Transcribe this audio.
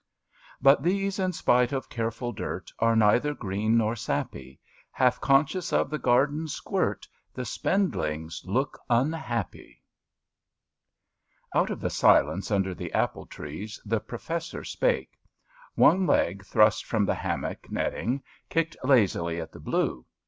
*' But these, in spite of careful dirt. Are neither green nor sappy; Half conscious of the garden squirt. The SpendUngs look unhappy /^UT of the silence under the apple trees the ^^ Professor spake. One leg thrust from the hammock netting kicked lazily at the blue.